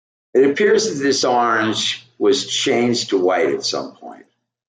It appears that this orange was changed to white at some point.